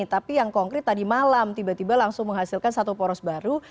tapi yang konkret tadi malam tiba tiba langsung menghasilkan satu poros baru